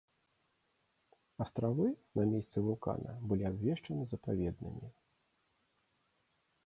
Астравы на месцы вулкана былі абвешчаны запаведнымі.